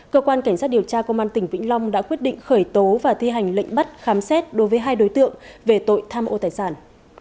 cơ quan cảnh sát điều tra công an tỉnh vĩnh long đã quyết định khởi tố và thi hành lệnh bắt khám xét đối với hai đối tượng về tội tham ô tài sản